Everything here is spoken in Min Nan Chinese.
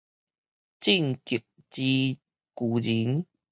進擊之巨人